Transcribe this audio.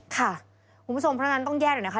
คุณผู้ชมเพราะฉะนั้นต้องแยกหน่อยนะคะ